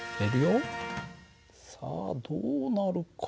さあどうなるかな。